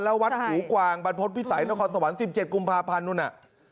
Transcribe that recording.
แล้ววัดหูกวางบรรพฤษภิษัยนครสวรรค์๑๗กุมภาพันธ์นู่นน่ะ